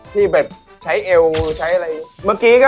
ที่แบบใช้เอวใช้อะไรอย่างนี้